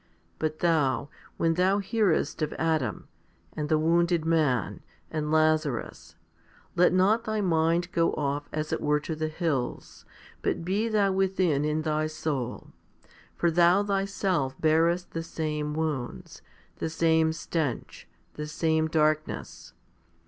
But thou, when thou hearest of Adam, and the wounded man, and Lazarus, let not thy mind go off as it were to the hills, but be thou within in thy soul, for thou thyself bearest the sajne wounds, the same stench, the same darkness.